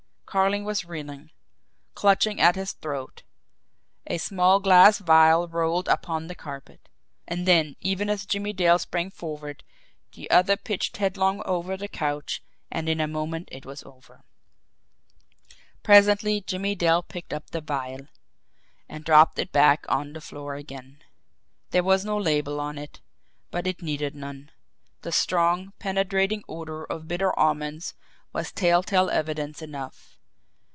Carling was reeling, clutching at his throat a small glass vial rolled upon the carpet. And then, even as Jimmie Dale sprang forward, the other pitched head long over the couch and in a moment it was over. Presently Jimmie Dale picked up the vial and dropped it back on the floor again. There was no label on it, but it needed none the strong, penetrating odor of bitter almonds was telltale evidence enough.